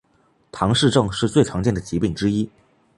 唐氏症是最常见的疾病之一。